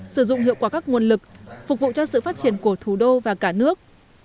sử dụng hiệu quả các nguồn lực phục vụ cho sự phát triển của thủ đô và cả nước